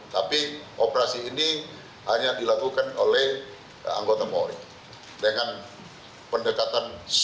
tapi operasi ini hanya dilakukan oleh anggota polri dengan pendekatan